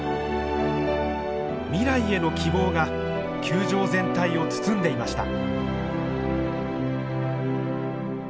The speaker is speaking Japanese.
未来への希望が球場全体を包んでいました。